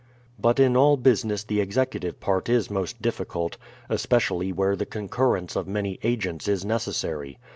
But in all business the executive part is most difficult, — especially where the concurrence of many agents is neces sary.